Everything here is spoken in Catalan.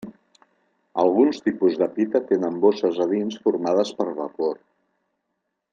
Alguns tipus de pita tenen bosses a dins formades per vapor.